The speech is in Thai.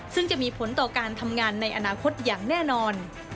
ซึ่งจะมีผลต่อการทำงานในอนาคตอย่างแน่นอน